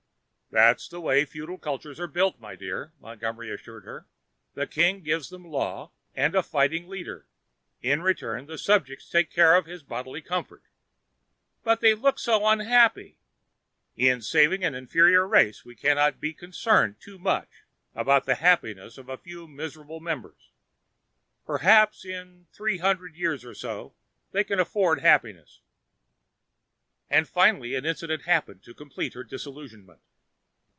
"That's the way feudal cultures are built, my dear," Montgomery assured her. "The king gives them law and a fighting leader. In return, the subjects take care of his bodily comfort." "But they look so unhappy!" "In saving an inferior race, we cannot be concerned too much about the happiness of a few miserable members. Perhaps in three hundred years or so, they can afford happiness." And finally an incident happened to complete her disillusionment.